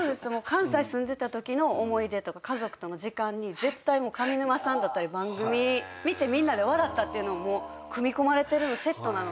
関西住んでたときの思い出とか家族との時間に絶対上沼さんだったり番組見てみんなで笑ったっていうのもう組み込まれてるセットなので。